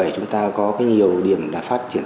chúng ta có nhiều điểm đã phát triển